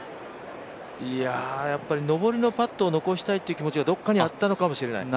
いや、上りのパットを残したいっていう気持ちがどこかにあったのかもしれない。